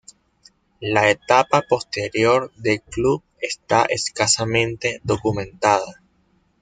La etapa posterior del club está escasamente documentada.